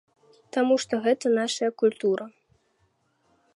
Таму што гэта нашая культура.